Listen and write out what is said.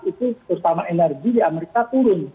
itu terutama energi di amerika turun